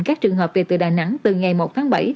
các trường hợp về từ đà nẵng từ ngày một tháng bảy